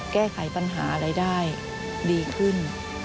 แก้ไขปัญหาอะไรได้ดีขึ้น